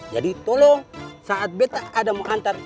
jadi tolong saat beta ada mau antar